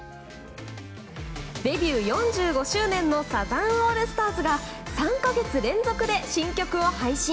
デビュー４５周年のサザンオールスターズが３か月連続で新曲を配信。